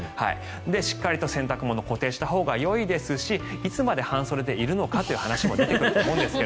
しっかりと洗濯物を固定したほうがいいですしいつまで半袖でいるのかという話も出てくると思うんですが。